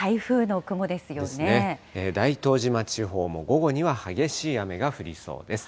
ですね、大東島地方も午後には激しい雨が降りそうです。